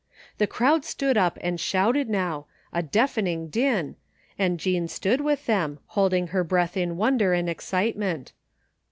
The crowd stood up and shouted now, a deafening din, and Jean stood with them, holding her breath in wonder and excitement.